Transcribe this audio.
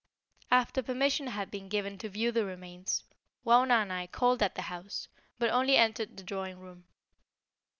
After permission had been given to view the remains, Wauna and I called at the house, but only entered the drawing room.